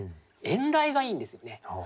「遠雷」がいいんですよね。